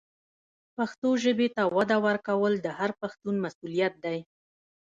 پښتو ژبې ته وده ورکول د هر پښتون مسؤلیت دی.